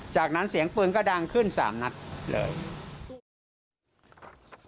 จากนั้นเสียงปืนก็ดังขึ้น๓นัดเลย